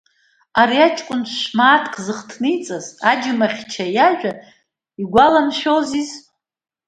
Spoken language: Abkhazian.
Ари аҷкәын шә-мааҭк зыхҭниҵаз аџьмахьча иажәа игәаламшәозиз!